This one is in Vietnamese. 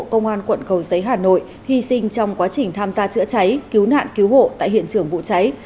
công an quận cầu giấy hà nội hy sinh trong quá trình tham gia chữa cháy cứu nạn cứu hộ tại hiện trường vụ cháy